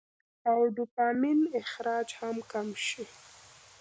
او ډوپامين اخراج هم کم شي -